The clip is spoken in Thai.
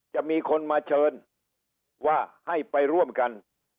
จะมีคนมาเชิญว่าให้ไปร่วมกัน